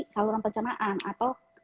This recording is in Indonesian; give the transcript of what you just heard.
saluran pencernaan atau